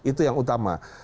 itu yang utama